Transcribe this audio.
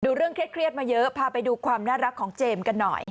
เรื่องเครียดมาเยอะพาไปดูความน่ารักของเจมส์กันหน่อย